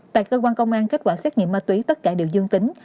tại cơ quan công an kết quả xét nghiệm ma túy tất cả đều dương tính